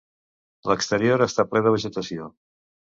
L'exterior està ple de vegetació.